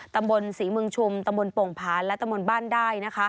ตำบลศรีเมืองชุมตำบลโป่งพานและตำบลบ้านได้